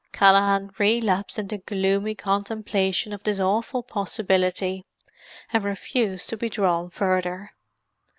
Callaghan relapsed into gloomy contemplation of this awful possibility, and refused to be drawn further.